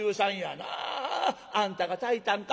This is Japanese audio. あんたが炊いたんか？